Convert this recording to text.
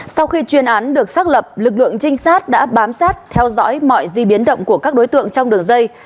sau khi chuyên án được xác lập lực lượng trinh sát đã bám sát theo dõi mọi di biến động của các đối tượng trong đường dây